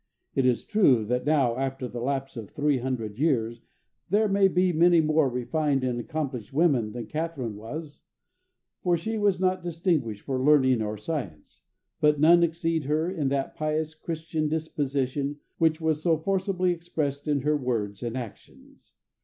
It is true, that now, after the lapse of three hundred years, there may be many more refined and accomplished women than Catharine was, for she was not distinguished for learning or science; but none exceed her in that pious, Christian disposition which was so forcibly expressed in her words and actions.